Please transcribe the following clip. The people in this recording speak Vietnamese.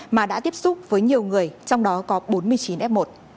mà đã tiếp xúc với nhiều người trong đó có bốn mươi chín f một